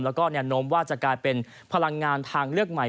แล้วก็แนวโน้มว่าจะกลายเป็นพลังงานทางเลือกใหม่